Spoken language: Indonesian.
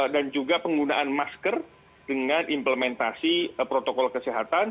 dan juga penggunaan masker dengan implementasi protokol kesehatan